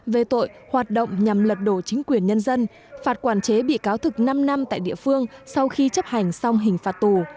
về tội hoạt động nhằm lật đổ chính quyền nhân dân phạt quản chế bị cáo thực năm năm tại địa phương sau khi chấp hành xong hình phạt tù